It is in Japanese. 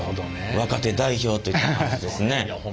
若手代表といった感じですね。